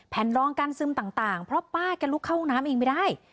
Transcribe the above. รองการซึมต่างเพราะป้าแกลุกเข้าห้องน้ำเองไม่ได้